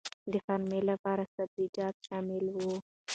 د غرمې لپاره سبزيجات شامل وو.